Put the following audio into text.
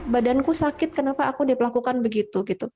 badanku sakit kenapa aku diperlakukan begitu